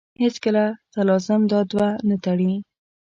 هېڅکله تلازم دا دوه نه تړي.